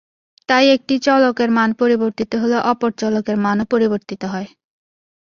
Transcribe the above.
তাই একটি চলকের মান পরিবর্তিত হলে অপর চলকের মানও পরিবর্তিত হয়।